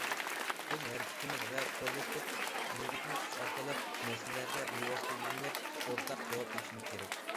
بىز ھەرىكىتىمىز ۋە كوللېكتىپ بىرىكمە كۈچ ئارقىلىق مەسىلىلەرگە بىۋاسىتە يۈزلىنىپ، ئورتاق جاۋاب تېپىشىمىز كېرەك.